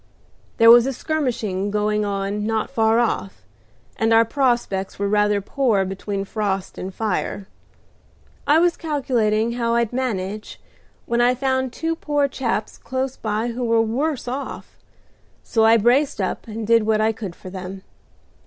There was skirmishing going on not far off, and our prospects were rather poor between frost and fire. I was calculating how I'd manage, when I found two poor chaps close by who were worse off, so I braced up and did what I could for them.